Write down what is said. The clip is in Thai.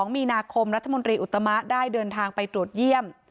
๒มีนาคมรัฐมนตรีอุตมะได้เดินทางไปตรวจเยี่ยม